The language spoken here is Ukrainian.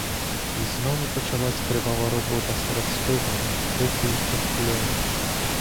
І знову почалася кривава робота серед стогону, крику й прокльонів.